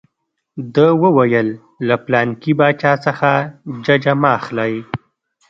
ده وویل له پلانکي باچا څخه ججه مه اخلئ.